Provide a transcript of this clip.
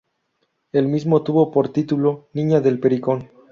El mismo tuvo por título "Niña del pericón".